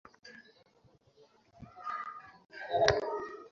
আমি গাড়িতে ওয়েট করছি।